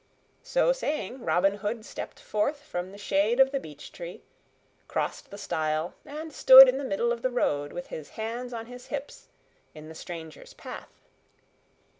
So saying, Robin Hood stepped forth from the shade of the beech tree, crossed the stile, and stood in the middle of the road, with his hands on his hips, in the stranger's path.